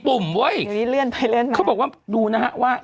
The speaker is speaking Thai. ุ่มเว้ยอันนี้เลื่อนไปเลื่อนมาเขาบอกว่าดูนะฮะว่า